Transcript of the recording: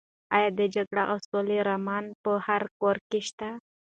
ایا د جګړې او سولې رومان په هر کور کې شته؟